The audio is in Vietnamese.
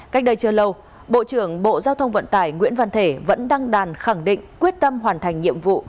cách đây chưa lâu bộ trưởng bộ giao thông vận tải nguyễn văn thể vẫn đăng đàn khẳng định quyết tâm hoàn thành nhiệm vụ